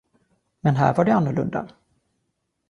Men här var det annorlunda.